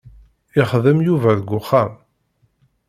Ixeddem Yuba deg uxxam.